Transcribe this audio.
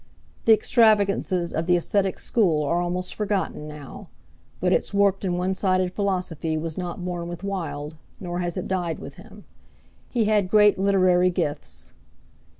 The extravagances of the aesthetic school are almost forgotten now, but its warped and one sided philosophy was not born with Wilde, nor has it died with him. He had great literary gifts.